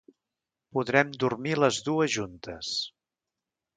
Podrem dormir les dues juntes.